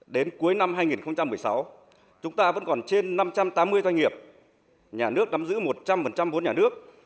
đến cuối năm hai nghìn một mươi sáu chúng ta vẫn còn trên năm trăm tám mươi doanh nghiệp nhà nước nắm giữ một trăm linh vốn nhà nước